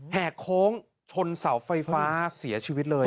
แหกโค้งชนเสาไฟฟ้าเสียชีวิตเลย